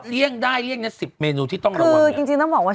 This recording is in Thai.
เลี่ยงได้เลี่ยงเนี้ยสิบเมนูที่ต้องรับคือจริงจริงต้องบอกว่า